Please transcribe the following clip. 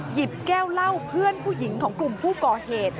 หยิบแก้วเหล้าเพื่อนผู้หญิงของกลุ่มผู้ก่อเหตุ